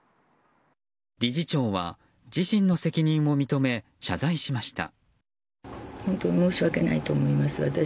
理事長は自身の責任を認め謝罪しました。